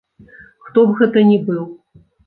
Хто б гэта ні быў.